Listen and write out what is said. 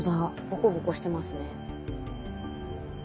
ぼこぼこしてますね。